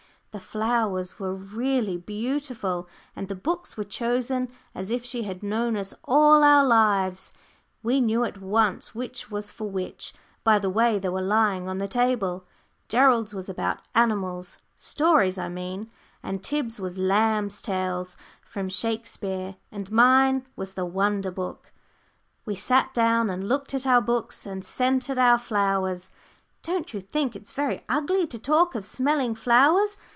The flowers were really beautiful, and the books were chosen as if she had known us all our lives. We knew at once which was for which, by the way they were lying on the table. Gerald's was about animals stories, I mean and Tib's was Lamb's Tales from Shakespeare, and mine was The Wonder Book. We sat down and looked at our books, and scented our flowers don't you think it's very ugly to talk of smelling flowers?